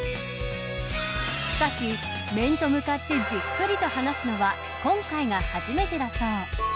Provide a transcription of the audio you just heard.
しかし、面と向かってじっくりと話すのは今回が初めてだそう。